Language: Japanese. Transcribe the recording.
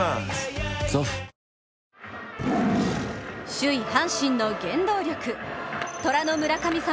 首位・阪神の原動力虎の村神様